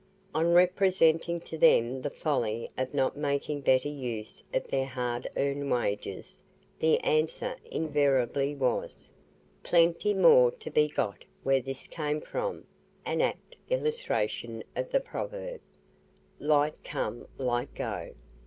On representing to them the folly of not making better use of their hard earned wages, the answer invariably was, "Plenty more to be got where this came from," an apt illustration of the proverb, "light come, light go."